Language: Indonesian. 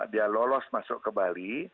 dia lolos masuk ke bali